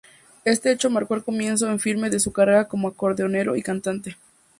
Este hecho marcó el comienzo en firme de su carrera como acordeonero y cantante.